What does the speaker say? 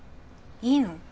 いいの？